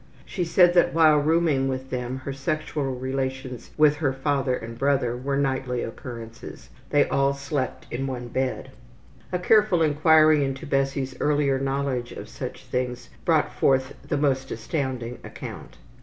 She said that while rooming with them her sexual relations with her father and brother were nightly occurrences. They all slept in one bed. A careful inquiry into Bessie's earlier knowledge of such things brought forth the most astounding account.